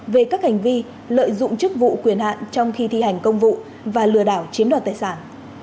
về các hành vi lợi dụng chức vụ quyền hạn trong khi thi hành công vụ và lừa đảo chiếm đoạt tài sản